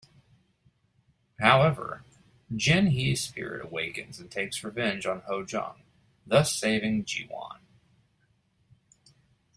However, Jin-hee's spirit awakens and takes revenge on Ho-jung, thus saving Ji-won.